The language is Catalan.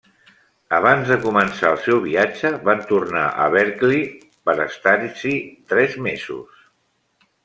Abans de començar el seu viatge, van tornar a Berkeley per estar-s'hi tres mesos.